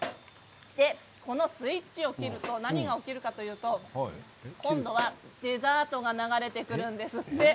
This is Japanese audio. このスイッチを切ると何が起きるかというと今度はデザートが流れてくるんですって。